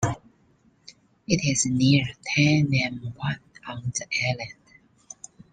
It is near Tai Nam Wan on the island.